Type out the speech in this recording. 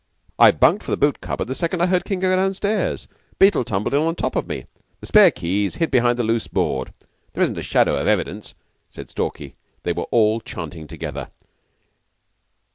"I bunked for the boot cupboard the second I heard King go down stairs. Beetle tumbled in on top of me. The spare key's hid behind the loose board. There isn't a shadow of evidence," said Stalky. They were all chanting together.